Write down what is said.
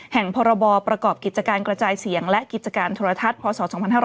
พรบประกอบกิจการกระจายเสียงและกิจการโทรทัศน์พศ๒๕๕๙